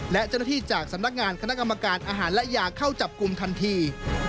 และเจ้าหน้าที่จากสำนักงานคณะกรรมการอาหารและยาเข้าจับกลุ่มทันที